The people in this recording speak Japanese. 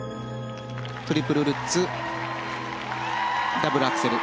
トリプルルッツダブルアクセル。